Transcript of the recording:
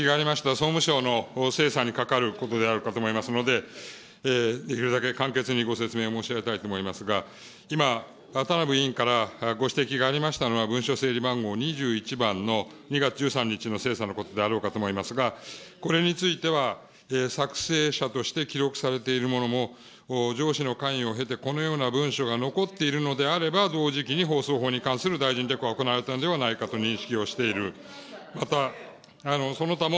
総務省の精査に関わることであるかと思いますので、できるだけ簡潔にご説明申し上げたいと思いますが、今、田名部委員からご指摘がありましたのは文書整理番号２１番の２月１３日の精査のことであろうかと思いますが、これについては、作成者として記録されているものも、上司の関与を経て、このような文書が残っているのであれば同時期に放送法に関する大臣レクが行われたのではないかと認識をしている、またその他も。